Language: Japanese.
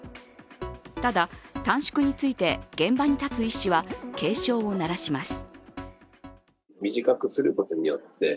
ただ、短縮について現場に立つ医師は警鐘を鳴らします。